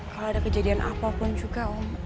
kalau ada kejadian apapun juga om